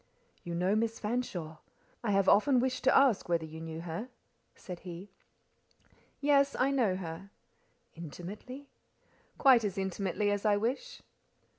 "You know Miss Fanshawe? I have often wished to ask whether you knew her," said he. "Yes: I know her." "Intimately?" "Quite as intimately as I wish."